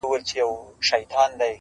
د غریب مُلا آذان ته کله چا وو غوږ نیولی-